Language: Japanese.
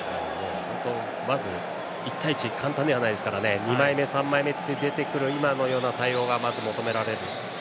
まず１対１も簡単ではないので２枚目、３枚目って出てくる今のような対応がまず求められる。